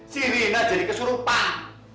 si rina jadi kesurupan